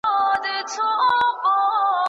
هغه په ځوانۍ کې د جلال آباد واکمن ونیوه.